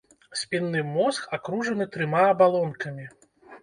Спінны мозг акружаны трыма абалонкамі.